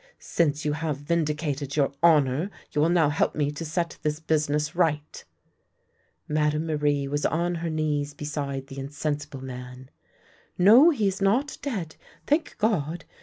" Since you have vindi cated your honour, you will now help me to set this business right." Madame Marie was on her knees beside the insen sible man. " No, he is not dead, thank God !